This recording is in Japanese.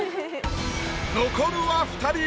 残るは二人。